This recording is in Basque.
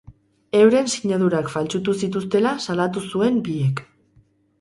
Euren sinadurak faltsutu zituztela salatu zuen biek.